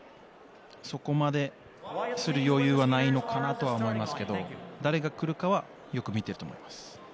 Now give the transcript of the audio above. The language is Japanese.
そこまでする余裕はないのかなとは思いますが誰が来るかはよく見ていると思います。